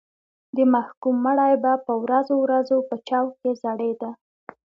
د محکوم مړی به په ورځو ورځو په چوک کې ځړېده.